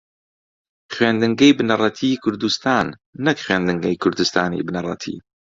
خوێندنگەی بنەڕەتیی کوردستان نەک خوێندنگەی کوردستانی بنەڕەتی